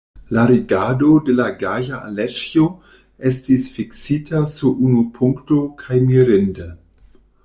La rigardo de la gaja Aleĉjo estis fiksita sur unu punkto, kaj mirinde!